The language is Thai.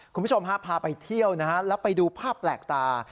คุณผู้ชมฮะพาไปเที่ยวนะฮะแล้วไปดูภาพแปลกตา